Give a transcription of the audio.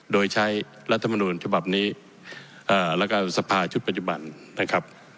โดยใช้รัฐมนุษย์ภาพนี้และการสภาชุดปัจจุบันนะครับ